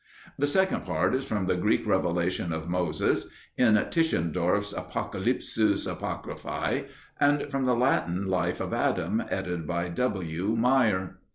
The second part is from the Greek Revelation of Moses (in Tischendorf's Apocalypses Apocryphae), and from the Latin Life of Adam, edited by W. Meyer.